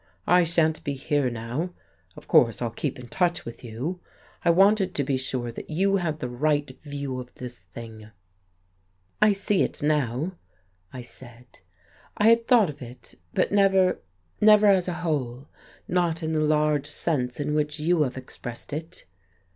I shan't be here now of course I'll keep in touch with you. I wanted to be sure that you had the right view of this thing." "I see it now," I said. "I had thought of it, but never never as a whole not in the large sense in which you have expressed it."